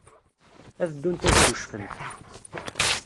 Ad ddunt ad ccucfent.